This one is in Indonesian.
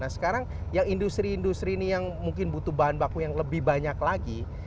nah sekarang yang industri industri ini yang mungkin butuh bahan baku yang lebih banyak lagi